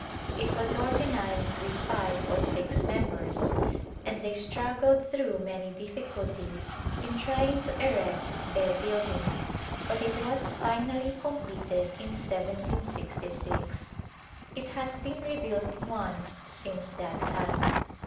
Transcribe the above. It was organized with five or six members and they struggled through many difficulties in trying to erect their building, but it was finally completed in 1766. It has been rebuilt once since that time.